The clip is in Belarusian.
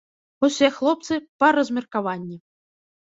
Усе хлопцы, па размеркаванні.